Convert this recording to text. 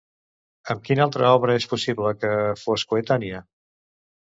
Amb quina altra obra és possible que fos coetània?